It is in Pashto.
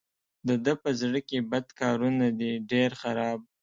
د ده په زړه کې بد کارونه دي ډېر خراب.